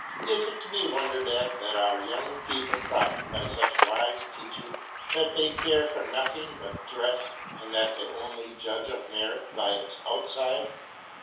Is it to be wondered at that our young people profit by such wise teaching, that they care for nothing but dress, and that they only judge of merit by its outside.